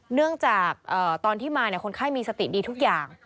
เนื่องจากตอนที่มาคนไข้มีสติดีทุกอย่าง